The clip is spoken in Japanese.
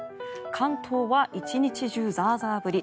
関東は１日中ザーザー降り。